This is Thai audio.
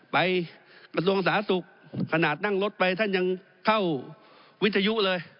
ไปบัตรวงสาศุกร์ขนาดนั่งรถไปท่านยังเข้าวิทยุเลย